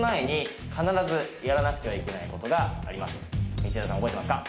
道枝さん覚えてますか？